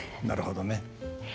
なるほどね。